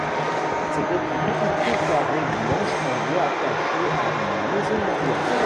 C'était une petite tour carrée blanche en bois attachée à une maison en bois.